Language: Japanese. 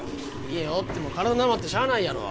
家おっても体なまってしゃあないやろ。